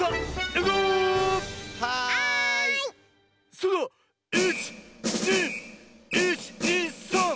それでは１２１２３！